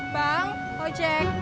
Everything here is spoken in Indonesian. bang mau cek